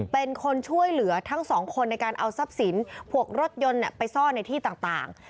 เป็นคนช่วยเหลือทั้งสองคนในการเอาทรัพย์สิน